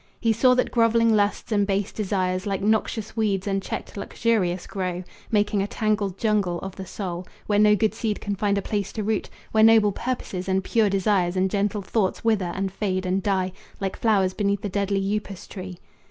He saw that groveling lusts and base desires Like noxious weeds unchecked luxurious grow, Making a tangled jungle of the soul, Where no good seed can find a place to root, Where noble purposes and pure desires And gentle thoughts wither and fade and die Like flowers beneath the deadly upas tree.